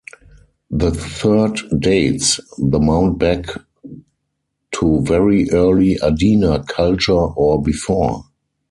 The third dates the mound back to very early Adena culture or before.